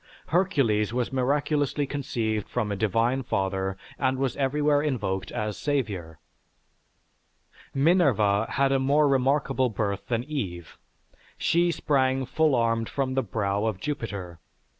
Hercules was miraculously conceived from a divine father and was everywhere invoked as savior. Minerva had a more remarkable birth than Eve; she sprang full armed from the brow of Jupiter.